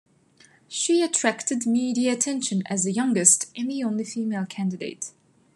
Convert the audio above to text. She attracted media attention as the youngest and the only female candidate.